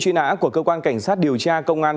truy nã của cơ quan cảnh sát điều tra công an